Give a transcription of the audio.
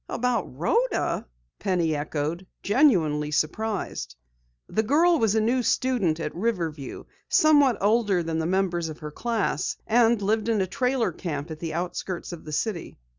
"About Rhoda?" Penny echoed, genuinely surprised. The girl was a new student at Riverview, somewhat older than the members of her class, and lived in a trailer camp at the outskirts of the city.